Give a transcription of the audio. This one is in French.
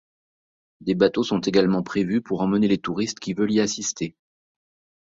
Des bateaux sont également prévus pour emmener les touristes qui veulent y assister.